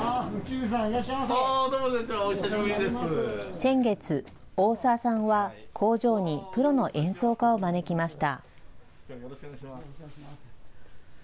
先月、大澤さんは工場にプロの演奏家を招きました。